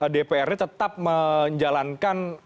dprd tetap menjalankan